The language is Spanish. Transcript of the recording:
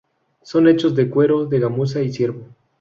Son hechos de cuero de gamuza y ciervo.